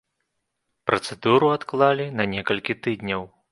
Працэдуру адклалі на некалькі тыдняў.